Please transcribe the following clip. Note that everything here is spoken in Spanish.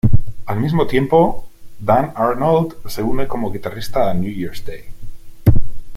Al mismo tiempo Dan Arnold se une como guitarrista a "New Year's Day".